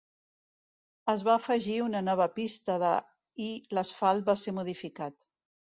Es va afegir una nova pista de i l'asfalt va ser modificat.